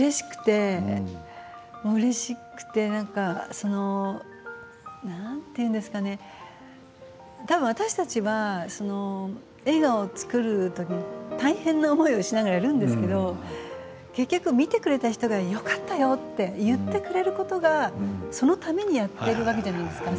うれしくて、そのなんて言うんでしょう多分、私たちは映画を作る時大変な思いをしながらやるんですけれど結局、見てくれた人がよかったよと言ってくれることがそのためにやっているわけじゃないですか。